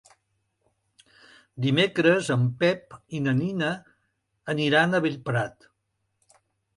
Dimecres en Pep i na Nina aniran a Bellprat.